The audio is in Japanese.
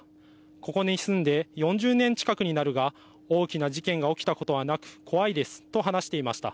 ここに住んで４０年近くになるが大きな事件が起きたことはなく怖いですと話していました。